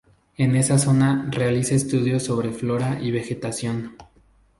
En esa zona, realiza estudios sobre flora y vegetación.